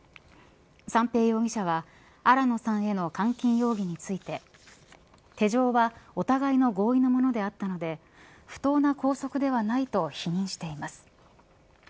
三瓶容疑者は新野さんへの監禁容疑について手錠はお互いの合意のものであったので不当な拘束ではないと否認しています。